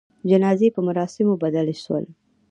جنازې په مراسموبدل سول.